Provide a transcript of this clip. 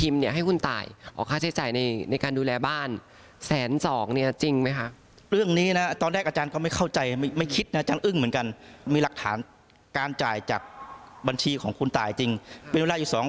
ไม่กลัวเพราะมันเป็นข้อได้จริงร้วม